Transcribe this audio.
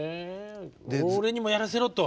俺にもやらせろと。